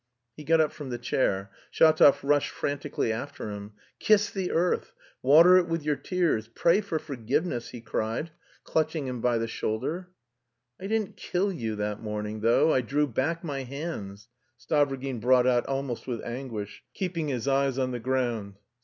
He got up from the chair. Shatov rushed frantically after him. "Kiss the earth, water it with your tears, pray for forgiveness," he cried, clutching him by the shoulder. "I didn't kill you... that morning, though... I drew back my hands..." Stavrogin brought out almost with anguish, keeping his eyes on the ground.